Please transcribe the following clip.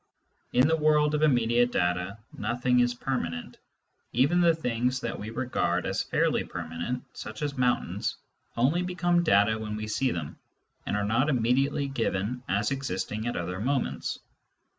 ^ The world of immediate data is quite different from this. Nothing is permanent ; even the things that we think are fairly permanent, such as mountains, only be come data when we see them, and are not immediately given as existing at other moments.